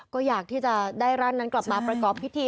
ก็อยากที่จะได้ร่างนั้นกลับมาประกอบพิธี